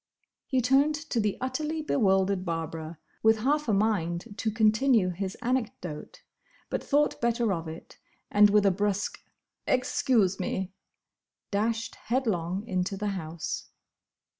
He turned to the utterly bewildered Barbara, with half a mind to continue his anecdote, but thought better of it, and with a brusque, "Excuse me!" dashed headlong into the house.